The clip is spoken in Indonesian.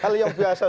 hal yang biasa